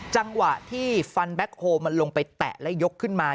จังหวะที่ฟันแบ็คโฮลมันลงไปแตะและยกขึ้นมา